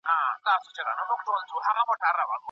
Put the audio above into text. تر طلاق وروسته کومي بدمرغۍ خاوند ته متوجه کيږي؟